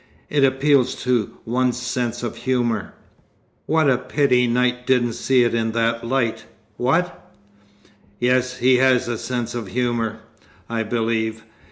It appeals to one's sense of humour." "What a pity Knight didn't see it in that light what?" "Yet he has a sense of humour, I believe.